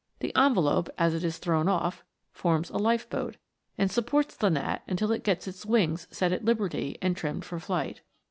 The envelope, as it is thrown off, forms a life boat, and supports the gnat until it gets its wings set at liberty and trimmed for flight.